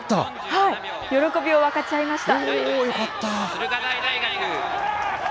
喜びを分かち合いました。